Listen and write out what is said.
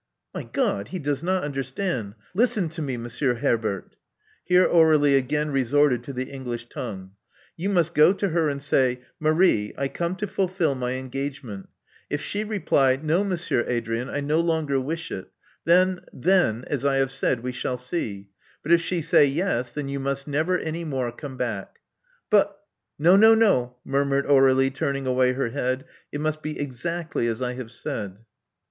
My God! he does not understand! Listen to me, Monsieur Herbert." Here Aur61ie again resorted to the English tongue. You must go to her and say, * Marie: I come to fulfil my engagement.' If she reply, *No, Monsieur Adrian, I no longer wish it,t then — then, as I have said, we shall see. But if she say *yes,' then you must never any more come back." But " No, no, no," murmured Aur^lie, turning away her head. It must be exactly as I have said."